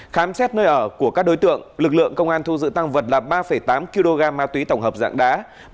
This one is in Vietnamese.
khám xét nơi ở của các đối tượng lực lượng công an thu giữ tăng vật là ba tám kg ma túy tổng hợp dạng đá